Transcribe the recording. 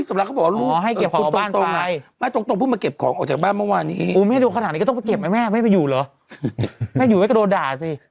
ไม่ได้ไปอยู่เหรอไม่ได้อยู่ไว้กระโดด่าสิ